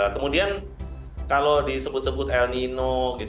kemudian kalau disebut sebut el nino